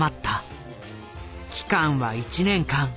期間は１年間。